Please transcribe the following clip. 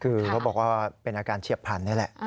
คือเขาบอกว่าเป็นอาการเฉียบพันธุ์นี่แหละ